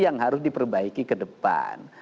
yang harus diperbaiki ke depan